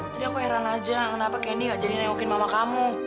tadi aku heran aja kenapa candy nggak jadi nengokin mama kamu